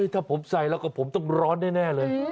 ถ้าผมใส่แล้วก็ผมต้องร้อนแน่เลย